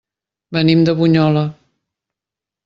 Venim de Bunyola.